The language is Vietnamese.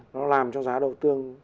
nó làm cho giá đậu tương